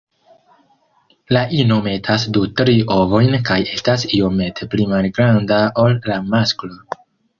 La ino metas du-tri ovojn kaj estas iomete pli malgranda ol la masklo.